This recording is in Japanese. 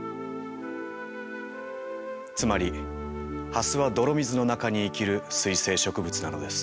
つまりハスは泥水の中に生きる水生植物なのです。